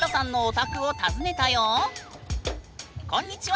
こんにちは！